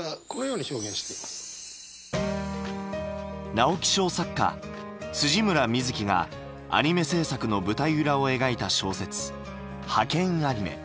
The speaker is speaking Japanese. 直木賞作家村深月がアニメ制作の舞台裏を描いた小説「ハケンアニメ！」。